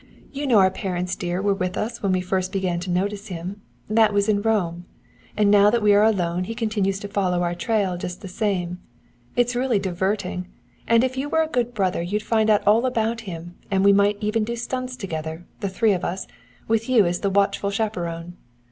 "You know our parents dear were with us when we first began to notice him that was in Rome. And now that we are alone he continues to follow our trail just the same. It's really diverting; and if you were a good brother you'd find out all about him, and we might even do stunts together the three of us, with you as the watchful chaperon.